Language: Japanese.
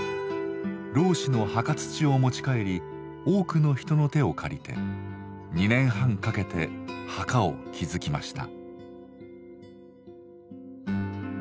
浪士の墓土を持ち帰り多くの人の手を借りて２年半かけて墓を築きました。